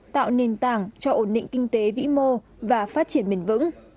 tạo nền tảng cho ổn định kinh tế vĩ mô và phát triển bền vững